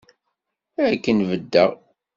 Akken beddeɣ.